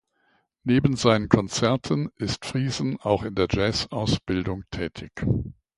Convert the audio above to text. Neben seinen Konzerten ist Friesen auch in der Jazz-Ausbildung tätig.